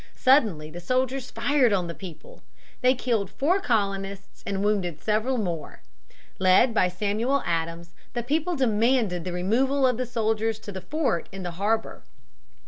Suddenly the soldiers fired on the people. They killed four colonists and wounded several more. Led by Samuel Adams, the people demanded the removal of the soldiers to the fort in the harbor.